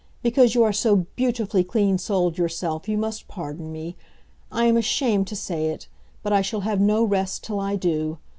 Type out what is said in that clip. Because you are so beautifully clean souled yourself, you must pardon me. I am ashamed to say it, but I shall have no rest till I do.